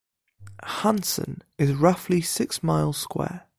Hansen is roughly a six-mile square.